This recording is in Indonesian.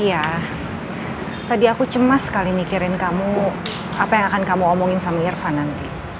iya tadi aku cemas sekali mikirin kamu apa yang akan kamu omongin sama irvan nanti